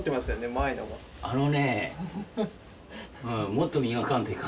あのね。